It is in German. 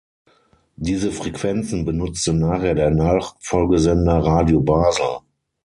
Diese Frequenzen benutzte nachher der Nachfolgesender "Radio Basel".